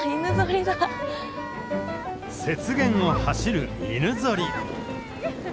雪原を走る犬ぞり。